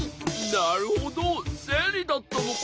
なるほどせいりだったのか。